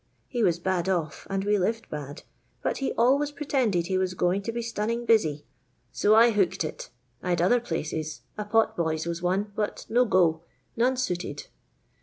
He was bad off, and we liv^ bad, but he always pre tended he was going to be stunning busy. So I hooked it 1 'd other places — a pot boy's was one, but no go. None suited.